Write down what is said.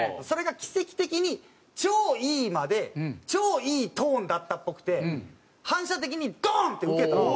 それが奇跡的に超いい間で超いいトーンだったっぽくて反射的にドーンってウケた。